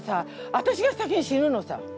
私が先に死ぬのさ。